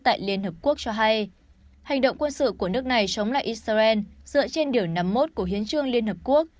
tại liên hợp quốc cho hay hành động quân sự của nước này chống lại israel dựa trên điều năm mươi một của hiến trương liên hợp quốc